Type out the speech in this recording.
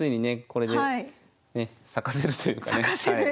これでね咲かせるというかね。